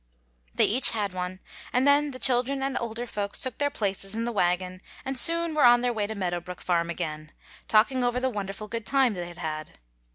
They each had one, and then the children and older folks took their places in the wagon, and soon were on their way to Meadow Brook farm again, talking over the wonderful good time they had had.